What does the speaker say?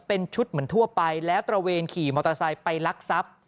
เป็นชุดเหมือนทั่วไปแล้วตระเวนขี่มอเตอร์ไซค์ไปลักทรัพย์